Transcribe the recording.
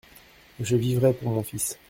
Je vivrai pour mon fils.